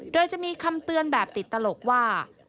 โดยจะมีคำเตือนแบบติดตลกว่า